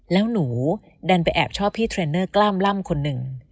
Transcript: แล้วหนูดันไปแอบชอบพี่เทรนเนอร์กล้ามล่ำคนหนึ่ง